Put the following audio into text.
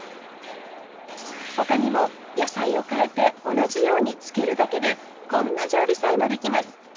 他にも野菜を変えて同じようにつけるだけでこんな常備菜もできます。